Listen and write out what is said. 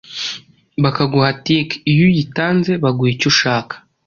bakaguha tick iyo uyitanze baguha icyo ushaka,